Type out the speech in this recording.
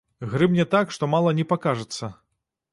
Грымне так, што мала не пакажацца.